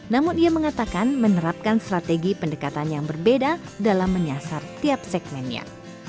namun ia mengatakan menerapkan strategi pendekatan yang berbeda dalam menyasar tiap segmennya